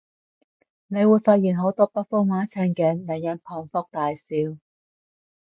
你會發現好多北方話情景，令人捧腹大笑